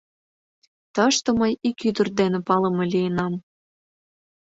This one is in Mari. Тыште мый ик ӱдыр дене палыме лийынам.